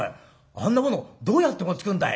あんなものどうやって持ってくんだい」。